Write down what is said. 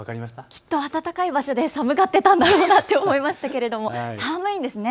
きっと暖かい場所で寒がっているんだろうなと思ったんですが寒いんですね。